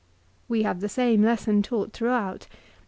We have the same lesson taught throughout.